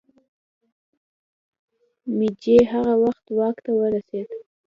مېجي هغه وخت واک ته ورسېد.